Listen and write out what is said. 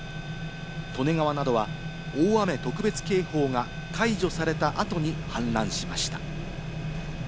利根川などは大雨特別警報が解除された後に氾濫しました。